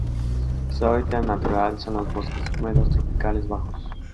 Su hábitat natural son los bosques húmedos tropicales bajos.